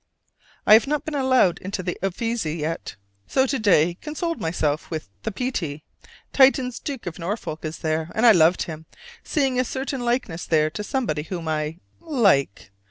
I have not been allowed into the Uffizi yet, so to day consoled myself with the Pitti. Titian's "Duke of Norfolk" is there, and I loved him, seeing a certain likeness there to somebody whom I like.